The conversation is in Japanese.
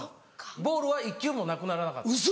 ボールは１球もなくならなかったです。